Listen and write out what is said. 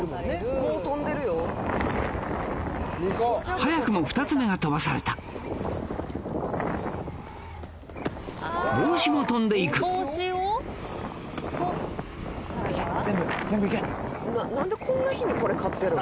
早くも２つめが飛ばされた帽子も飛んでいく何でこんな日にこれ買ってるん？